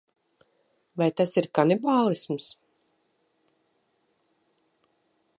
Vai tas ir kanibālisms?